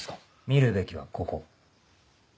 見るべきはここ。